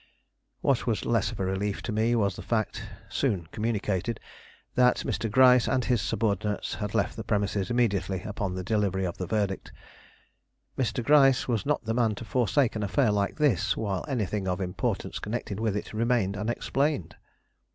What was less of a relief to me was the fact, soon communicated, that Mr. Gryce and his subordinates had left the premises immediately upon the delivery of the verdict. Mr. Gryce was not the man to forsake an affair like this while anything of importance connected with it remained unexplained.